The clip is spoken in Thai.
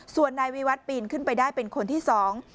ส่วนนายวิวัตรปีนขึ้นไปได้เป็นคนที่สอง